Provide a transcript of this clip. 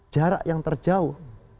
jarak yang terjauh